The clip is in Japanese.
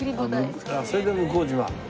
それで向島？